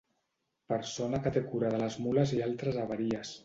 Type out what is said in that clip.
Persona que té cura de les mules i altres haveries.